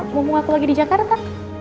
mau ngaku lagi di jakarta